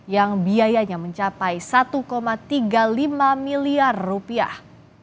yang biayanya mencapai satu tiga puluh lima miliar rupiah